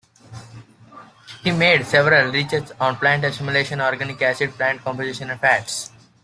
He made several research on plant assimilation, organic acids, plant composition and fats.